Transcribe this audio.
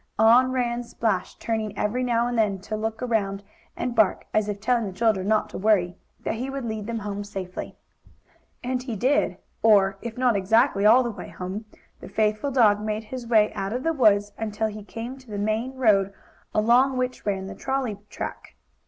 On ran Splash, turning every now and then to look around and bark, as if telling the children not to worry that he would lead them safely home. And he did, or, if not exactly all the way home, the faithful dog made his way out of the woods, until he came to the main road, along which ran the trolley track.